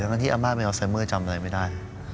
ตอนที่อาม่าไม่เอาใส่มือจำอะไรไม่ได้